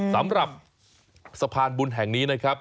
สำหรับสะพานบุญแห่งนี้นะครับ